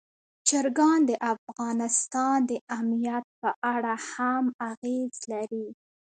چرګان د افغانستان د امنیت په اړه هم اغېز لري.